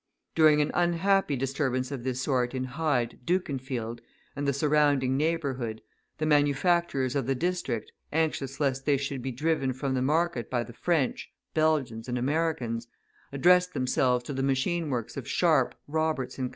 During an unhappy disturbance of this sort in Hyde, Dukinfield, and the surrounding neighbourhood, the manufacturers of the district, anxious lest they should be driven from the market by the French, Belgians, and Americans, addressed themselves to the machine works of Sharp, Roberts & Co.